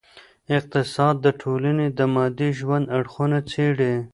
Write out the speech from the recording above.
اقتصاد د ټولني د مادي ژوند اړخونه څېړي.